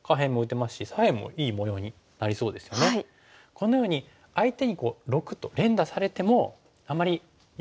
このように相手に⑥と連打されてもあまり嫌じゃない。